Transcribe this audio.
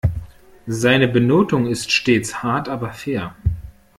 Seine Benotung ist stets hart aber fair.